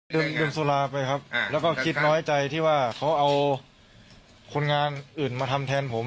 ดื่มสุราไปครับแล้วก็คิดน้อยใจที่ว่าเขาเอาคนงานอื่นมาทำแทนผม